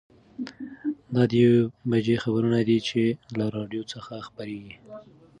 دا د یوې بجې خبرونه دي چې له راډیو څخه خپرېږي.